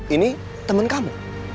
ini teman kamu